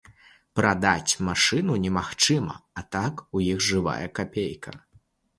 Прадаць машыну немагчыма, а так у іх жывая капейка.